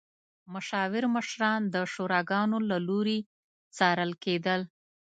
مشاور مشران د شوراګانو له لوري څارل کېدل.